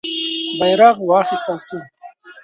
بیرغ واخیستل سو.